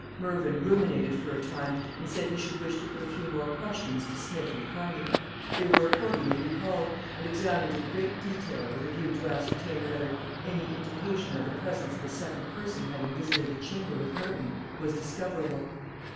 Mervyn ruminated for a time, and said he should wish to put a few more questions to Smith and Carney. They were accordingly recalled, and examined in great detail, with a view to ascertain whether any indication of the presence of a second person having visited the chamber with Merton was discoverable.